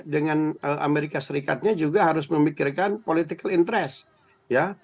dengan amerika serikatnya juga harus memikirkan political interest ya